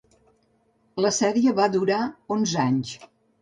La sèrie va durar onze anys.